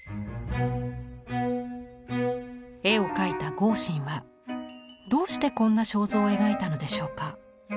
絵を描いた豪信はどうしてこんな肖像を描いたのでしょうか。